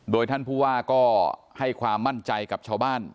โดยท่านผู้ว่าก็ให้ความมั่นใจกับชาวบ้าน